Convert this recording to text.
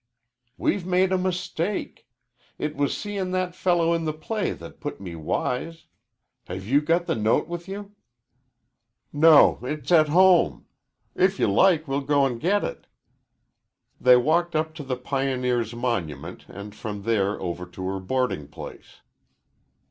"We've made a mistake. It was seein' that fellow in the play that put me wise. Have you got the note with you?" "No. It's at home. If you like we'll go and get it." They walked up to the Pioneers' Monument and from there over to her boarding place.